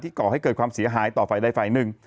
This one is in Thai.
ที่ก่อให้เกิดความสีอาหายต่อไปในฝันหนึ่ง